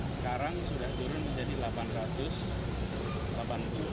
sekarang sudah turun menjadi delapan ratus delapan puluh cm